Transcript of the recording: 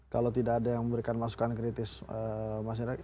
kalau tidak ada yang memberikan masukan kritis masyarakat